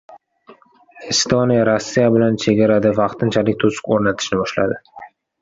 Estoniya Rossiya bilan chegarada vaqtinchalik to‘siq o‘rnatishni boshladi